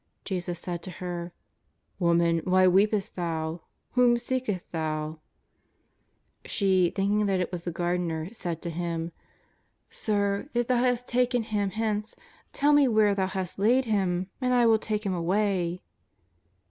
Jesus said to her: ''Woman, wdiy weepest thou? whom seekest thou ?" She, thinking that it was the gardener, said to Him: " Sir, if thou hast taken Him hence, tell me where thou hast laid Him, and I will take Him away."